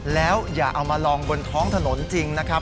แล้วอย่าเอามาลองบนท้องถนนจริงนะครับ